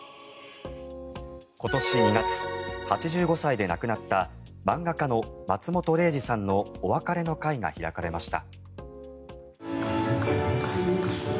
今年２月８５歳で亡くなった漫画家の松本零士さんのお別れの会が開かれました。